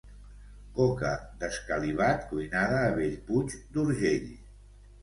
Coca d'escalivat cuinada a Bellpuig d'Urgell